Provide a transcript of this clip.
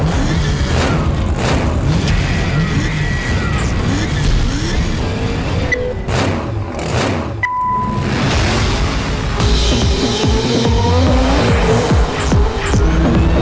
เต้นคลาสจุดท้ายนะครับ